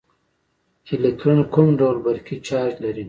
الکترون کوم ډول برقي چارچ لري.